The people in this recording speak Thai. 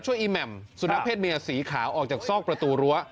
ช่วยอีแมมสุนัขเพศเมียสีขาออกจากซอกประตูรั้ว